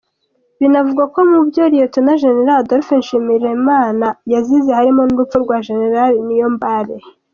Binavugwa ko mubyo Lt Gen Adolphe Nshimirimana yazize harimo n’urupfu rwa Gen Niyombare.